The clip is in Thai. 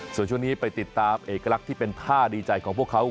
ส่วนช่วงนี้ไปติดตามเอกลักษณ์ที่เป็นท่าดีใจของพวกเขา